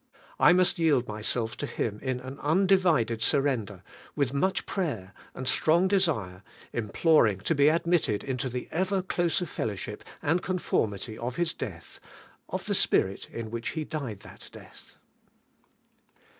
I must yield myself to Him in an undivided surren der, with much prayer and strong desire, imploring to be admitted into the ever closer fellowship and conformity of His death, of the Spirit in which He died that death.